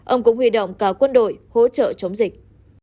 ông cũng huy động cả quân đội hỗ trợ chống dịch